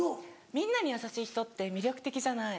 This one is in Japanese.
みんなに優しい人って魅力的じゃない。